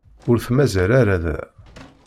Ur t-mazal ara da.